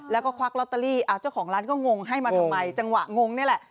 แล้วก็ควักลอตเตอรี่เจ้าของร้านก็งงให้มาทำไมจังหวะงงนี่แหละ